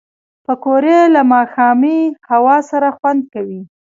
پکورې له ماښامي هوا سره خوند کوي